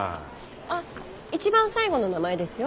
あっ一番最後の名前ですよ。